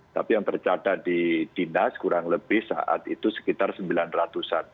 tapi yang tercatat di dinas kurang lebih saat itu sekitar sembilan ratus an